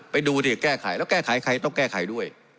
ไปดูดิแก้ไขแล้วแก้ไขใครต้องแก้ไขด้วย